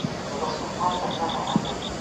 لنډې جملې غوره دي.